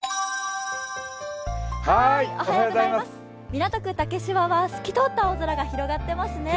港区竹芝は透き通った青空が広がってますね。